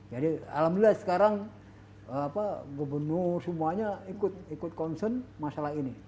jadi alhamdulillah sekarang gubernur semuanya ikut concern masalah ini